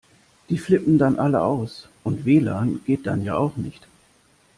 Die flippen dann alle aus. Und W-Lan geht dann ja auch nicht.